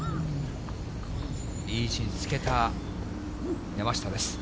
いい位置につけた山下です。